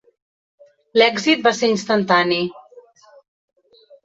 L'èxit va ser instantani.